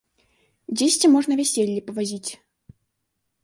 Дзесьці можна вяселлі павазіць.